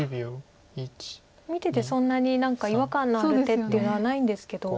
見ててそんなに何か違和感のある手っていうのはないんですけど。